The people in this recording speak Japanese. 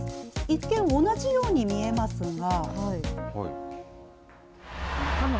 一見、同じように見えますが。